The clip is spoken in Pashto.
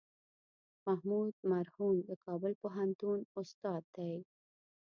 محمود مرهون د کابل پوهنتون استاد دی.